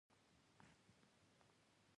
لمسی د ژوند ښوونه زده کوي.